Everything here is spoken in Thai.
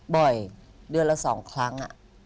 บ่อยเดือนละสองครั้ง